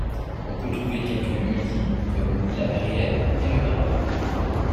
On peut trouver quelques lieux-dits comme la Verrière et le Marais.